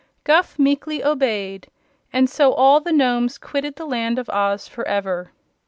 Guph meekly obeyed, and so all the Nomes quitted the Land of Oz forever.